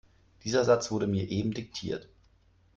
Dieser Satz wurde mir eben diktiert.